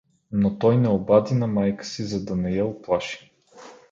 Но той не обади на майка си, за да я не уплаши.